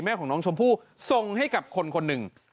แม่ของน้องชมพู่ทรงให้กับคนหนึ่ง